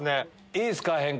いいっすか？